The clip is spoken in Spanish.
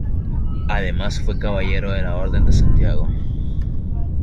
Además fue caballero de la Orden de Santiago.